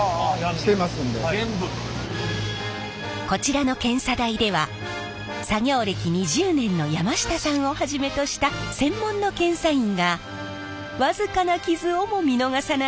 こちらの検査台では作業歴２０年の山下さんをはじめとした専門の検査員が僅かな傷をも見逃さない厳しいチェックを行っています。